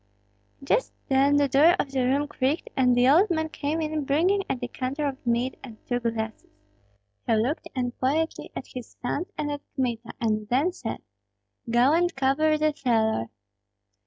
Just then the door of the room creaked, and the old man came in bringing a decanter of mead and two glasses. He looked unquietly at his sons and at Kmita, and then said, "Go and cover the cellar."